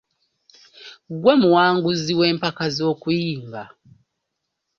Ggwe muwangunzi w’empaka z’okuyimba.